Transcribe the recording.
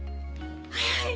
はい